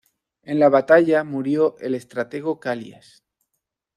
En la batalla murió el estratego Calias.